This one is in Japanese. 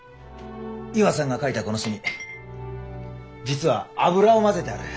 イワさんが描いたこの墨実は油を混ぜてある。